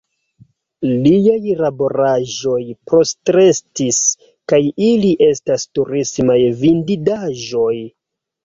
Liaj laboraĵoj postrestis kaj ili estas turismaj vidindaĵoj.